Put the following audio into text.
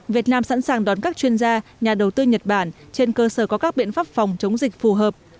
việt nam sẵn sàng đón các chuyên gia nhà đầu tư nhật bản trên cơ sở có các biện pháp phòng chống dịch phù hợp